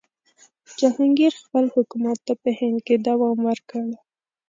جهانګیر خپل حکومت ته په هند کې دوام ورکړ.